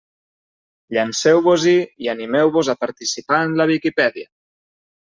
Llanceu-vos-hi i animeu-vos a participar en la Viquipèdia!